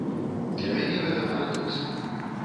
Для мяне гэта парадокс.